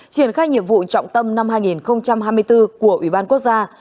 triển khai nhiệm vụ trọng tâm năm hai nghìn hai mươi bốn của ủy ban quốc gia